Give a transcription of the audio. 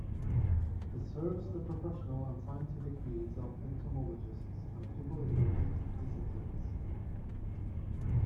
It serves the professional and scientific needs of entomologists and people in related disciplines.